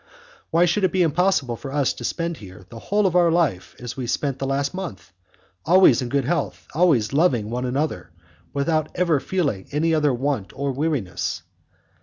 Why should it be impossible for us to spend here the whole of our life as we have spent the last month, always in good health, always loving one another, without ever feeling any other want or any weariness?